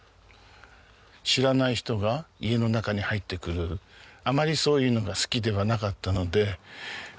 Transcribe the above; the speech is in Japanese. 知らない人が家の中に入ってくるあまりそういうのが好きではなかったので。